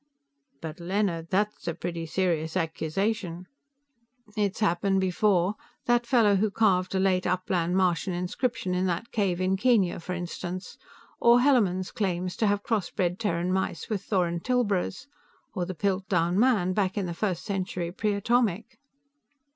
"But, Leonard, that's a pretty serious accusation." "It's happened before. That fellow who carved a Late Upland Martian inscription in that cave in Kenya, for instance. Or Hellermann's claim to have cross bred Terran mice with Thoran tilbras. Or the Piltdown Man, back in the first century Pre Atomic?"